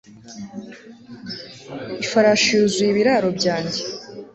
Ifarashi yuzuye ibiraro byanjye